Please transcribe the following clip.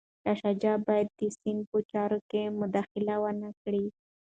شاه شجاع باید د سند په چارو کي مداخله ونه کړي.